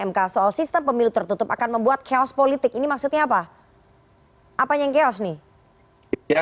mk soal sistem pemilu tertutup akan membuat chaos politik ini maksudnya apa apanya yang chaos nih ya